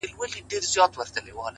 وخت د ارمانونو ازموینوونکی دی!.